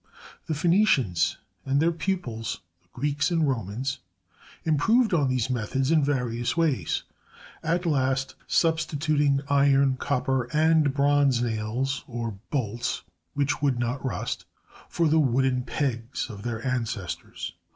The Phenicians, and their pupils the Greeks and Romans, improved on these methods in various ways, at last substituting iron, copper, and bronze nails or bolts (which would not rust) for the wooden pegs of their ancestors.